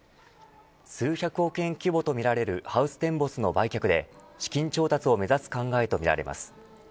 数百億円規模とみられるハウステンボスの売却で資金調達を目指す考えとみられます。